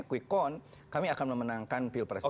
kwikon kami akan memenangkan pil presiden